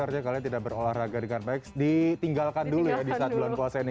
artinya kalian tidak berolahraga dengan baik ditinggalkan dulu ya di saat bulan puasa ini